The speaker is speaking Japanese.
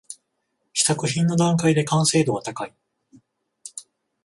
試作品の段階で完成度は高い